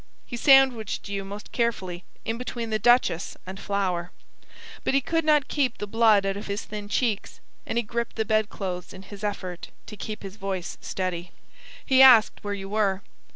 He sandwiched you most carefully in between the duchess and Flower; but he could not keep the blood out of his thin cheeks, and he gripped the bedclothes in his effort to keep his voice steady. He asked where you were.